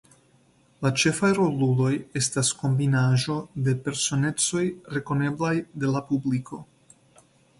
La ĉefaj roluloj estas kombinaĵo de personecoj rekoneblaj de la publiko.